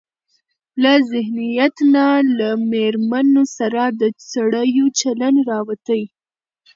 له ذهنيت نه له مېرمنو سره د سړيو چلن راوتى.